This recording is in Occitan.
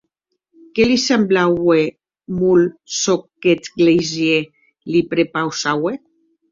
Que li semblaue molt, çò qu’eth gleisèr li prepausaue.